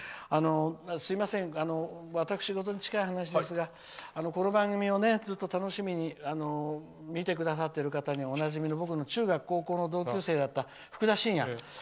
すみません、私事に近い話ですがこの番組をずっと楽しみに見てくださっている方におなじみの僕の中学高校の同級生だったふくだしんや。